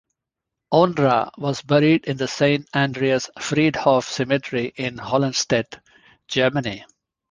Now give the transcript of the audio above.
Ondra was buried in the Saint Andreas Friedhof cemetery in Hollenstedt, Germany.